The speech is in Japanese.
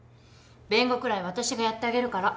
弁護くらい私がやってあげるから。